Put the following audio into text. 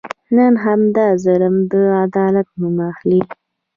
نن همدا ظلم د عدالت نوم اخلي.